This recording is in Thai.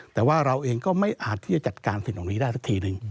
แต่ว่าเราเองก็ไม่อาจที่จะจัดการสิ่งเหล่านี้ได้สักทีหนึ่ง